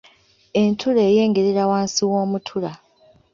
Entula eyengerera wansi w’omutula.